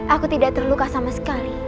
aku tidak terluka sama sekali